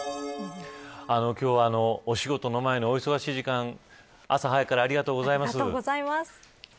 今日はお仕事の前のお忙しい時間朝早くからありがとうございます。